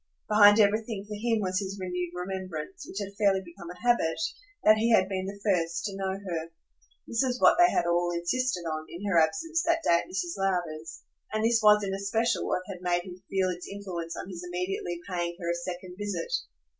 Behind everything for him was his renewed remembrance, which had fairly become a habit, that he had been the first to know her. This was what they had all insisted on, in her absence, that day at Mrs. Lowder's; and this was in especial what had made him feel its influence on his immediately paying her a second visit.